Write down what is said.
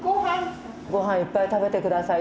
ごはんいっぱい食べて下さいって。